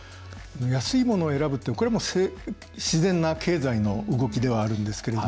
安いものを選ぶってこれは自然な経済の動きではあるんですけど。